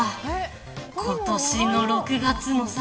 今年の６月もさ